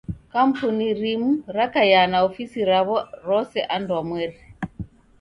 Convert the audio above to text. Kampuni rimu rakaia na ofisi raw'o rose anduamweri.